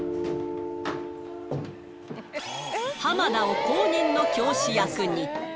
浜田を後任の教師役に。